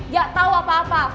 gak tau apa apa